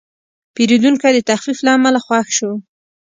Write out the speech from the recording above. پیرودونکی د تخفیف له امله خوښ شو.